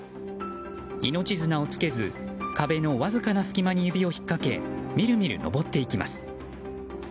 命綱をつけず壁のわずかな隙間に指をひっかけみるみる登っていきます。